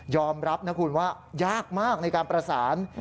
รับนะคุณว่ายากมากในการประสาน